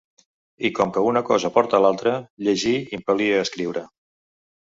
I com que una cosa porta a l’altra, llegir impel·lia a escriure.